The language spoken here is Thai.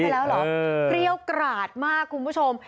ร้องไปแล้วหรอเรียวกราดมากคุณผู้ชม